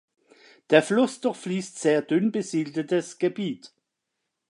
Der Fluss durchfließt sehr dünn besiedeltes Gebiet.